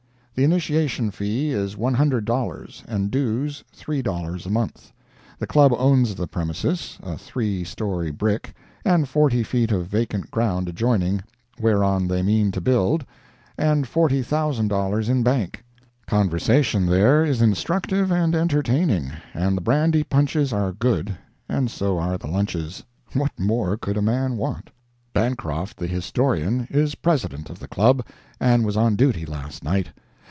The initiation fee is $100, and dues $3 a month. The Club owns the premises (a three story brick) and forty feet of vacant ground adjoining, whereon they mean to build, and $40,000 in bank. Conversation there is instructive and entertaining, and the brandy punches are good, and so are the lunches. What more could a man want? Bancroft, the historian, is President of the Club, and was on duty last night.